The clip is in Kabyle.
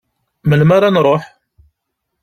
Melmi ara nruḥ.